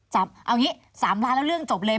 จะเอาอย่างนี้๓ล้านแล้วเรื่องจบเลย